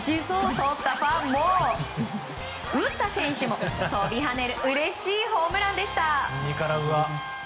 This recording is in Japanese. とったファンも打った選手も飛び跳ねるうれしいホームランでした。